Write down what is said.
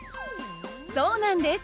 そうなんです。